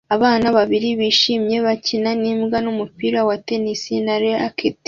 Abana babiri bishimye bakina n'imbwa n'umupira wa tennis na racket